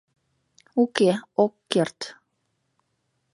Уке ок керт.